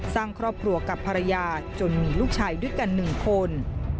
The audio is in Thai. สร้างครอบครัวกับภรรยาจนมีลูกชายด้วยกัน๑คน